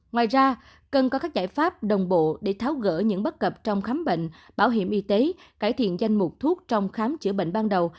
ngoài ra cần có các giải pháp đồng bộ để tháo gỡ những bất cập trong khám bệnh bảo hiểm y tế cải thiện danh mục thuốc trong khám chữa bệnh ban đầu